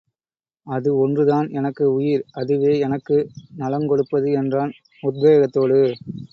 அது ஒன்றுதான் எனக்கு உயிர் அதுவே எனக்கு நலங்கொடுப்பது என்றான் உத்வேகத்தோடு.